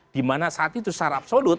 dimana saat itu secara absolut